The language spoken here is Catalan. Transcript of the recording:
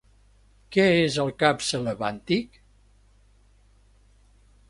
Què és el cap Celebàntic?